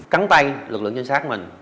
cắn tay lực lượng trinh sát mình